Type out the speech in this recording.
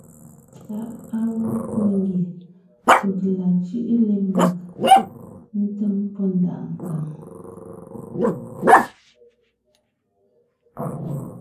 Táʼ á wɔ́ pɔ́ ngie peg la cʉ́ʼʉ lemag ńtém pɔ́ ndaʼ nkàŋ.